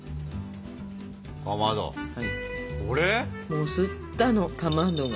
もうすったのかまどが。